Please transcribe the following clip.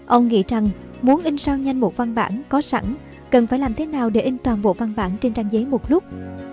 ông nghĩ rằng muốn in sao nhanh một văn bản có sẵn cần phải làm thế nào để in toàn bộ văn bản trên trang giấy một lúc